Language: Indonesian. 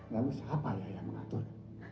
lalu siapa yang mengatur